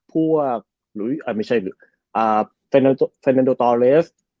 พวกอ่ะไม่ใช่ฟินันโดตอเลส